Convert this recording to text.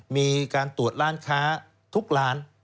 มีการตรวจร้านค้าทุกร้าน